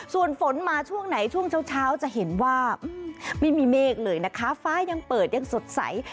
ส่วนฝนมาช่วงไหนช่วงเช้าจะเห็นว่าไม่มีเมฆเลยนะคะฟ้ายังเปิดยังสดใส